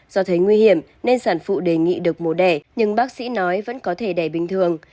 do thấy nguy hiểm nên sản phụ đề nghị được mùa đẻ nhưng bác sĩ nói vẫn có thể đẻ bình thường